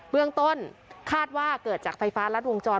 เบื้องต้นคาดว่าเกิดจากไฟฟ้ารัดวงจร